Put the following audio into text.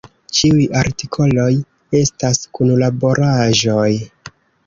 Ĉiuj artikoloj estas kunlaboraĵoj.